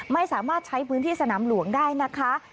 ไม่สามารถใช้พื้นที่สนามหลวงได้นะคะ